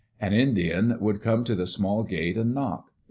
An Indian would come to the small gate, and knock.